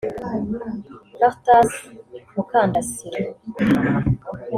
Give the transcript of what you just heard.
Cartas Mukandasira